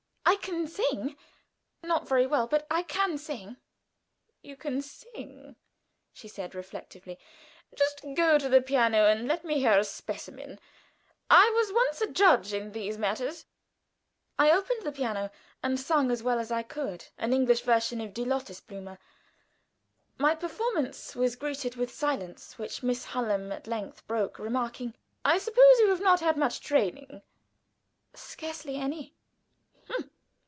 "I can sing not very well, but I can sing." "You can sing," said she, reflectively. "Just go to the piano and let me hear a specimen. I was once a judge in these matters." I opened the piano and sung, as well as I could, an English version of "Die Lotus blume." My performance was greeted with silence, which Miss Hallam at length broke, remarking: "I suppose you have not had much training?" "Scarcely any."